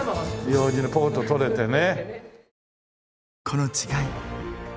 楊枝のポンッと取れてね。